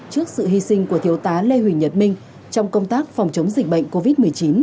trước sự hy sinh của thiếu tá lê huỳnh nhật minh trong công tác phòng chống dịch bệnh covid một mươi chín